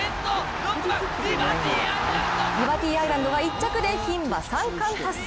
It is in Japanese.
リバティアイランドが１着で牝馬三冠達成。